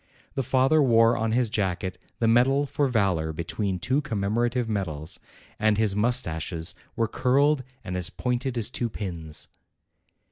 The father wore on his jacket the medal for valor between two commemorative medals, and his moustaches were curled and as pointed as two pins.